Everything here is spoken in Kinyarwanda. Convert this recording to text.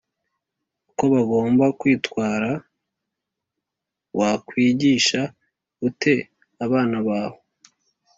uko bagomba kwitwara Wakwigisha ute abana bawe